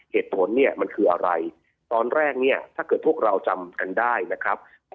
เหตุผลเนี่ยมันคืออะไรตอนแรกเนี่ยถ้าเกิดพวกเราจำกันได้นะครับ